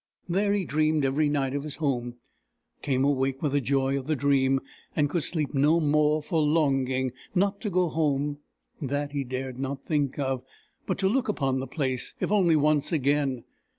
There he dreamed every night of his home, came awake with the joy of the dream, and could sleep no more for longing not to go home that he dared not think of but to look upon the place, if only once again.